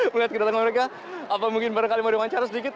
melihat kedalam mereka apa mungkin mereka mau diwawancar sedikit